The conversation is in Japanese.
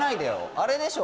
あれでしょ